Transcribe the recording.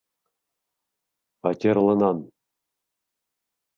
Фатирлынан!